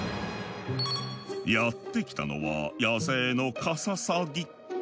やって来たのは野生のカササギ。